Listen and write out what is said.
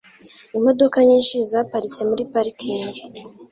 Imodoka nyinshi zaparitse muri parikingi.